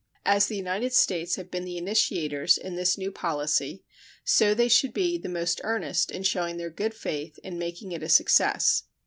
As the United States have been the initiators in this new policy, so they should be the most earnest in showing their good faith in making it a success.